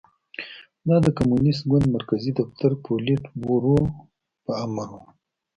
دا د کمونېست ګوند مرکزي دفتر پولیټ بورو په امر و